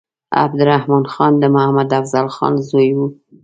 عبدالرحمن خان د محمد افضل خان زوی وو.